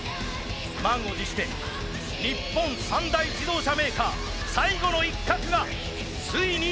満を持して日本三大自動車メーカー最後の一角がついに動く。